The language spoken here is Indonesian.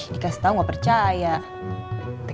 dikasih tau gak percaya